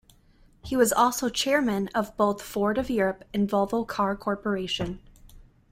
He was also chairman of both Ford of Europe and Volvo Car Corporation.